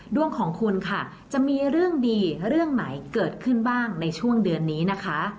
ดวงของคุณค่ะจะมีเรื่องดีเรื่องไหนเกิดขึ้นบ้างในช่วงเดือนนี้นะคะ